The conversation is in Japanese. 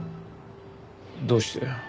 どうして？